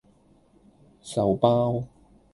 壽包